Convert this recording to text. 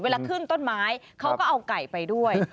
ขึ้นต้นไม้เขาก็เอาไก่ไปด้วย